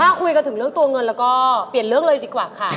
ถ้าคุยกันถึงเรื่องตัวเงินแล้วก็เปลี่ยนเรื่องเลยดีกว่าค่ะ